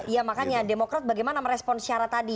ya makanya demokrat bagaimana merespon syarat tadi